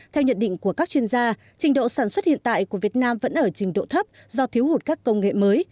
theo nhận định của các chuyên gia trình độ sản xuất hiện tại của việt nam vẫn ở trình độ thấp do thiếu hụt các công nghệ mới